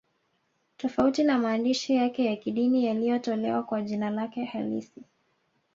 Tofauti na maandishi yake ya kidini yaliyotolewa kwa jina lake halisi